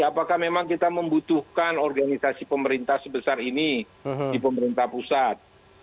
apakah memang kita membutuhkan organisasi pemerintah sebesar ini di pemerintah pusat